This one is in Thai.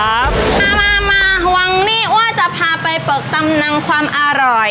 มามาหวังนี่ว่าจะพาไปเปิดตำนังความอร่อย